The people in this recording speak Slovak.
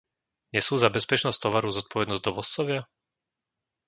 Nesú za bezpečnosť tovaru zodpovednosť dovozcovia?